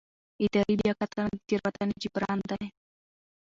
اداري بیاکتنه د تېروتنې جبران دی.